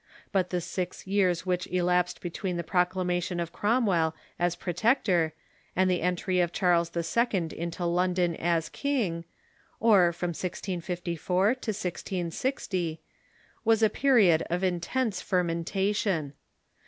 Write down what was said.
But the six years which elapsed between the proclamation of Cromwell as Protector and the entry of Charles II, into London as king, or from 1654 to 1660, was a period of intense fermentation.